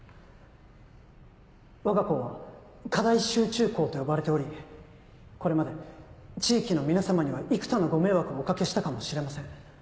わが校は課題集中校と呼ばれておりこれまで地域の皆様には幾多のご迷惑をお掛けしたかもしれません。